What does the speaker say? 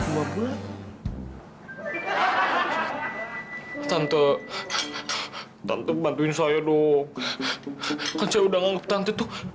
veranix eh kasih pelotheimu tuh